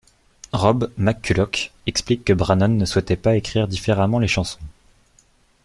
Rob McCulloch explique que Brannon ne souhaitait pas écrire différemment les chansons.